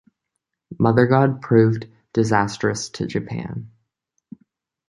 Mothergod proved disastrous to Japan.